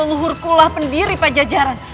leluhurkulah pendiri pajajaran